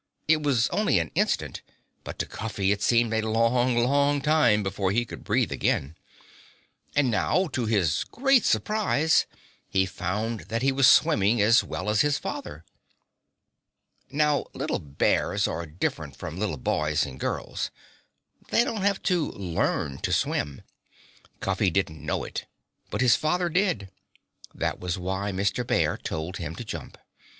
It was only an instant, but to Cuffy it seemed a long, long time before he could breathe again. And now, to his great surprise, he found that he was swimming as well as his father. Now, little bears are different from little boys and girls. They don't have to learn to swim. Cuffy didn't know it. But his father did. That was why Mr. Bear told him to jump.